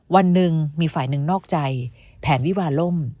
วันหนึ่งมีฝ่ายหนึ่งนอกใจแผนวิวาล่ม